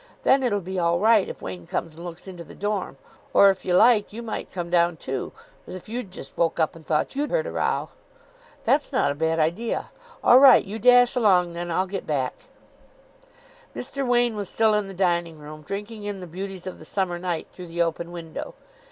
Then it'll be all right if Wain comes and looks into the dorm. Or, if you like, you might come down too, as if you'd just woke up and thought you'd heard a row." "That's not a bad idea. All right. You dash along then. I'll get back." Mr. Wain was still in the dining room, drinking in the beauties of the summer night through the open window.